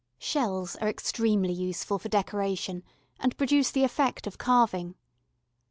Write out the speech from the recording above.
Shells are extremely useful for decoration and produce the effect of carving.